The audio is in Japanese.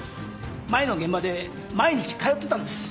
前の現場で毎日通ってたんです。